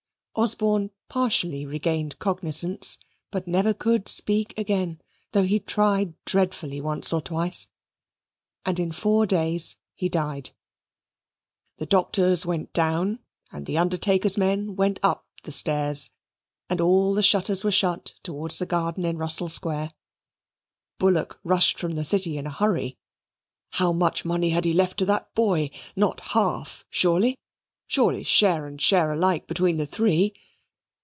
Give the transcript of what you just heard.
Osborne partially regained cognizance, but never could speak again, though he tried dreadfully once or twice, and in four days he died. The doctors went down, and the undertaker's men went up the stairs, and all the shutters were shut towards the garden in Russell Square. Bullock rushed from the City in a hurry. "How much money had he left to that boy? Not half, surely? Surely share and share alike between the three?"